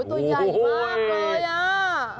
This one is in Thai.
ตัวใหญ่มากเลยอ่ะ